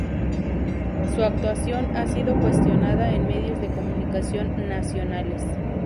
Su actuación ha sido cuestionada en medios de comunicación nacionales.